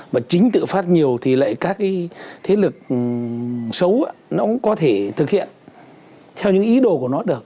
mà chính tự phát nhiều thì lại các cái thế lực xấu nó cũng có thể thực hiện theo những ý đồ của nó được